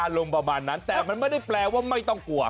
ประมาณนั้นแต่มันไม่ได้แปลว่าไม่ต้องกลัว